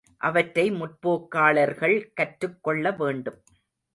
அவற்றை முற்போக்காளர்கள் கற்றுக் கொள்ள வேண்டும்.